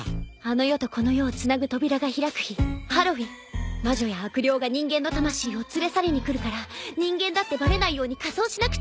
あの世とこの世をつなぐ扉が開く日ハロウィーン魔女や悪霊が人間の魂を連れ去りに来るから人間だってバレないように仮装しなくちゃ。